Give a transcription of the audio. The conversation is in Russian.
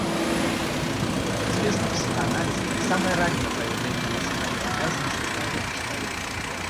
Идентификация известна в психоанализе как самое раннее проявление эмоциональной привязанности к другому человеку.